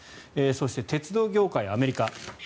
そして、鉄道業界アメリカ。